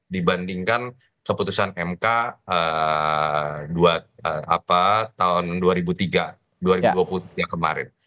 dibandingkan keputusan mk tahun dua ribu tiga dua ribu dua puluh yang kemarin